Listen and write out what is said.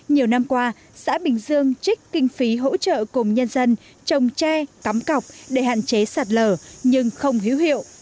nhiều năm qua xã bình dương trích kinh phí hỗ trợ cùng nhân dân trồng tre cắm cọc để hạn chế sạt lở nhưng không hiếu hiệu